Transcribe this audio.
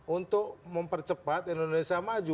untuk mempercepat indonesia maju